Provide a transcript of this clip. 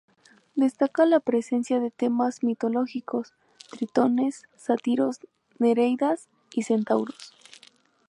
Destaca la presencia de temas mitológicos: tritones, sátiros, nereidas y centauros.